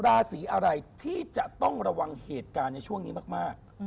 ราศีอะไรที่จะต้องระวังเหตุการณ์ในช่วงนี้มาก